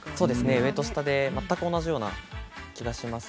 上と下で全く同じような気がします。